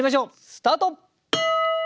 スタート！